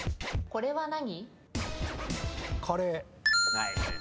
これは何？